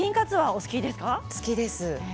好きです。